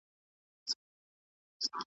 امکانات تل سته.